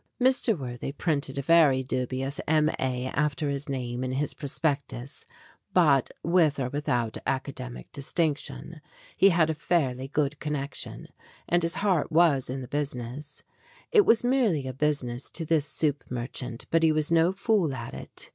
Mr. Worthy printed a very dubious M.A. after his name in his prospectus, but (with or without academic dis tinction) he had a fairly good connection, and his heart was in his business. It was merely a business to this soup merchant, but he was no fool at it.